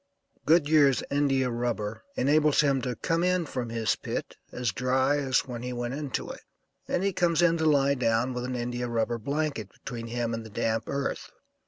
Goodyear's India rubber enables him to come in from his pit as dry as when he went into it, and he comes in to lie down with an India rubber blanket between him and the damp earth.